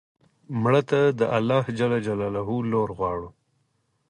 مړه ته د الله ج لور غواړو